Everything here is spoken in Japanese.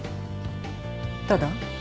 「ただ」？